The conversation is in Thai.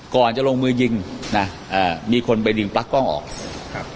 ก่อนจะลงมือยิงนะอ่ามีคนไปดึงปลั๊กกล้องออกครับ